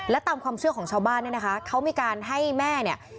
และตามความเชื่อของชาวบ้านเนี่ยนะคะเขามีการให้แม่เนี่ย